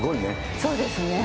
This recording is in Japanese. そうですね。